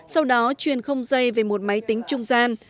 sau đó truyền không dây về một máy tính trung gian